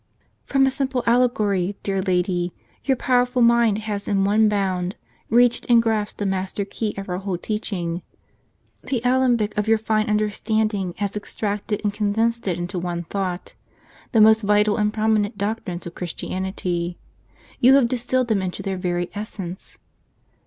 " From a simple allegory, dear lady, your powerful mind has, in one bound, reached and grasped the master key of our whole teaching : the alembic of your fine understanding has extracted, and condensed into one thought, the most vital and prominent doctrines of Christianity. You have distilled them into their very essence.